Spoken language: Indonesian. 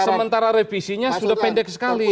sementara revisinya sudah pendek sekali